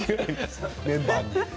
メンバーに。